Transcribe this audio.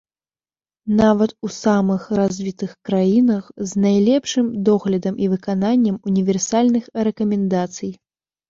Нават у самых развітых краінах, з найлепшым доглядам і выкананнем універсальных рэкамендацый.